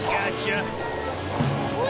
うわ！